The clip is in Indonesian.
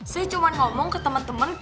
saya cuma ngomong ke temen temen